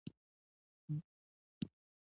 نیکه د وطن اتلان ستايي.